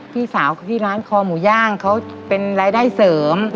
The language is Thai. พี่สาวที่ร้านคอหมูย่างเขาเป็นรายได้เสริม